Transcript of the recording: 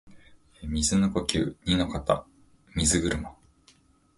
水の呼吸弐ノ型水車（にのかたみずぐるま）